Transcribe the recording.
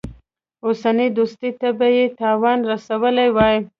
اوسنۍ دوستۍ ته به یې تاوان رسولی وای.